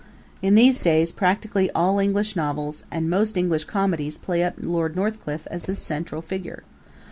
In these days practically all English novels and most English comedies play up Lord Northcliffe as the central figure.